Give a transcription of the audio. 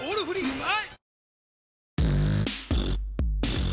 うまい！